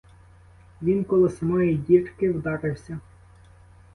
Він коло самої дірки вдарився.